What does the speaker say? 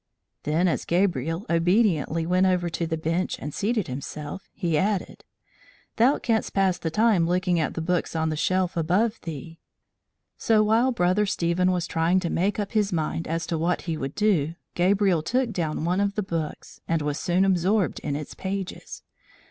Then as Gabriel obediently went over to the bench and seated himself, he added: "Thou canst pass the time looking at the books on the shelf above thee." So while Brother Stephen was trying to make up his mind as to what he would do, Gabriel took down one of the books, and was soon absorbed in its pages.